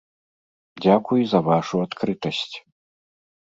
Дзякуй за вашу адкрытасць.